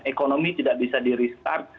ekonomi tidak bisa di restart